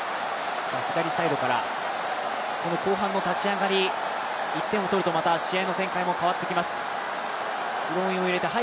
左サイドから、この後半の立ち上がり、１点を取ると、また試合の展開も変わってきます。